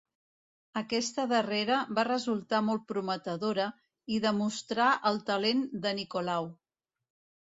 Aquesta darrera va resultar molt prometedora i demostrà el talent de Nicolau.